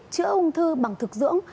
chữa ung thư bằng thực dưỡng